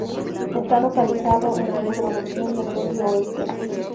Está localizado en la microrregión del Medio Oeste.